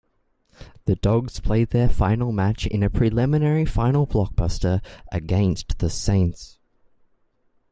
The Dogs played their final match in a Preliminary Final blockbuster against the Saints.